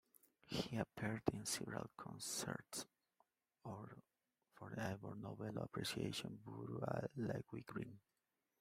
He appeared in several concerts for The Ivor Novello Appreciation Bureau at Littlewick Green.